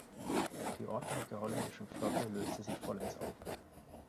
Die Ordnung der holländischen Flotte löste sich vollends auf.